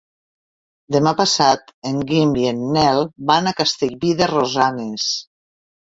Demà passat en Guim i en Nel van a Castellví de Rosanes.